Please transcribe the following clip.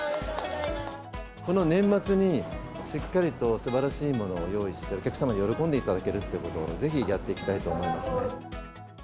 この年末に、しっかりとすばらしいものを用意して、お客様に喜んでいただけるということをぜひやっていきたいと思い